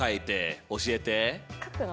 書くの？